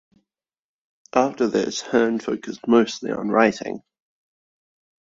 After this, Herne focused mostly on writing.